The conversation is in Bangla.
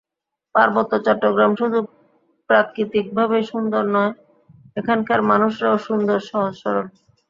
পার্বত্য চট্টগ্রাম শুধু প্রাকৃতিকভাবেই সুন্দর নয়, এখানরা মানুষরাও সুন্দর, সহজ সরল।